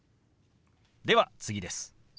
では次です。